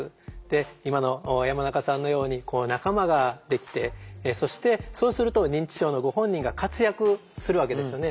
今の山中さんのように仲間ができてそしてそうすると認知症のご本人が活躍するわけですよね。